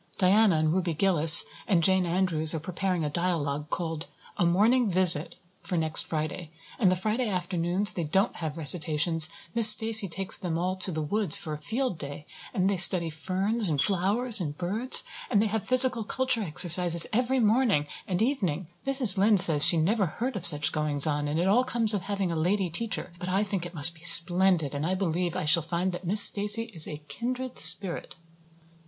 Diana and Ruby Gillis and Jane Andrews are preparing a dialogue, called 'A Morning Visit,' for next Friday. And the Friday afternoons they don't have recitations Miss Stacy takes them all to the woods for a 'field' day and they study ferns and flowers and birds. And they have physical culture exercises every morning and evening. Mrs. Lynde says she never heard of such goings on and it all comes of having a lady teacher. But I think it must be splendid and I believe I shall find that Miss Stacy is a kindred spirit."